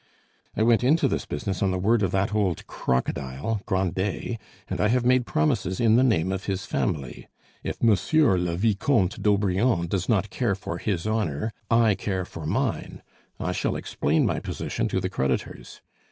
I went into this business on the word of that old crocodile Grandet, and I have made promises in the name of his family. If Monsieur de vicomte d'Aubrion does not care for his honor, I care for mine. I shall explain my position to the creditors.